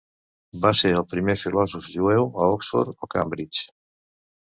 Va ser el primer filòsof jueu a Oxford o Cambridge.